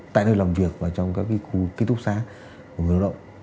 tại nơi làm việc và trong các khu kết thúc xá của người lao động